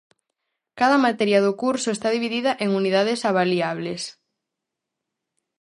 Cada materia do curso está dividida en unidades avaliables.